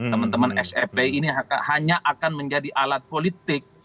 teman teman spi ini hanya akan menjadi alat politik